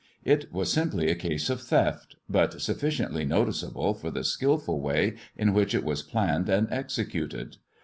It was simply a case of theft, but sufficiently noticeable for the skilful way in which it was planned and executed.